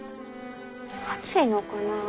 暑いのかな？